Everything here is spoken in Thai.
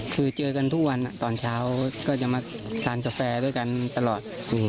คือเจอกันทุกวันตอนเช้าก็จะมาทานกาแฟด้วยกันตลอด